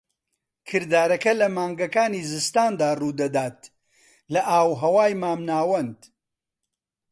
کردارەکە لە مانگەکانی زستاندا ڕوودەدات لە ئاوهەوای مامناوەند.